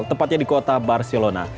tepatnya di kota barcelona